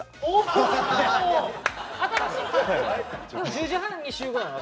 １０時半に集合やなと。